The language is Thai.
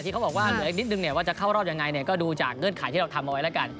เขาบอกว่าเหลืออีกนิดนึงเนี่ยว่าจะเข้ารอบยังไงเนี่ยก็ดูจากเงื่อนไขที่เราทำเอาไว้แล้วกัน